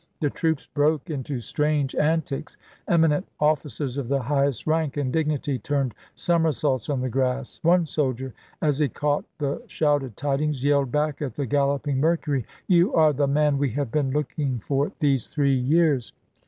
The troops broke NLee8's0f in^° strange antics, eminent officers of the highest totK^y rank and dignity turned somersaults on the grass. Ohio/' One soldier, as he caught the shouted tidings, yelled "March to back at the galloping Mercury, " You are the man p. 213.' we have been looking for these three years."